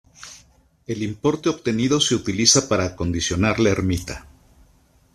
El importe obtenido se utiliza para acondicionar la ermita.